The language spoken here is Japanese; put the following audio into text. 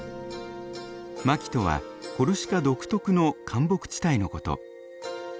マキとはコルシカ独特の灌木地帯のこと。